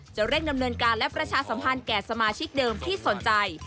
เร่งดำเนินการและประชาสัมพันธ์แก่สมาชิกเดิมที่สนใจ